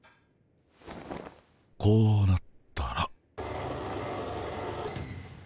こうなったら。